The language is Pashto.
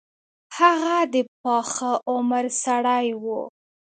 هغه د پاخه عمر سړی وو.